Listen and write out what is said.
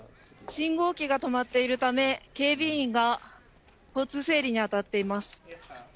信号機が止まっているため警備員が交通整理にあたっています。